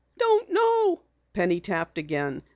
"Don't know," Penny tapped again.